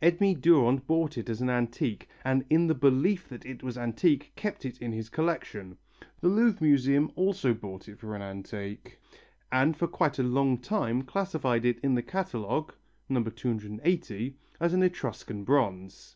Edme Durand bought it as an antique and in the belief that it was antique kept it in his collection. The Louvre Museum also bought it for an antique and for quite a long time classified it in the catalogue (N. 280) as an Etruscan bronze.